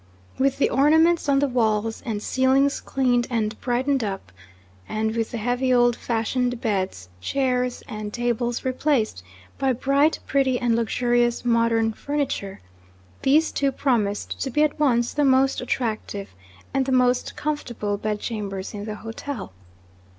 With the ornaments on the walls and ceilings cleaned and brightened up, and with the heavy old fashioned beds, chairs, and tables replaced by bright, pretty, and luxurious modern furniture, these two promised to be at once the most attractive and the most comfortable bedchambers in the hotel.